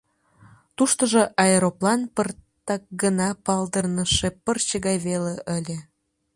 Туштыжо аэроплан пыртак гына палдырныше пырче гай веле ыле.